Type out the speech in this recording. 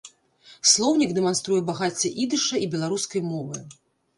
Слоўнік дэманструе багацце ідыша і беларускай мовы.